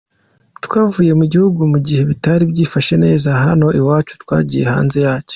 Twavuye mu gihugu mu gihe bitari byifashe neza hano iwacu, twagiye hanze yacyo.